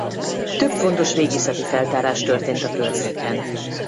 Több fontos régészeti feltárás történt a környéken.